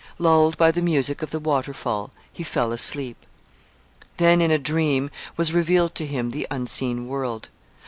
Lulled by the music of the waterfall, he fell asleep. Then in a dream was revealed to him the unseen world.